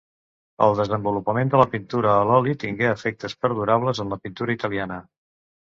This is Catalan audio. El desenvolupament de la pintura a l'oli tingué efectes perdurables en la pintura italiana.